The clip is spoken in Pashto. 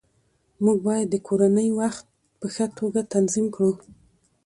موږ باید د کورنۍ وخت په ښه توګه تنظیم کړو